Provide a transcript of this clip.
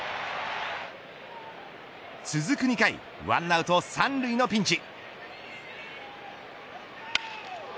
続く２回１アウト三塁のピンチ。